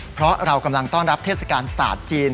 เพราะเรากำลังต้อนรับเทศกาลศาสตร์จีน